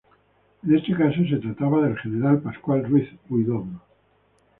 En este caso, se trataba del general Pascual Ruiz Huidobro.